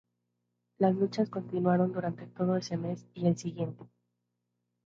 Las luchas continuaron durante todo ese mes y el siguiente.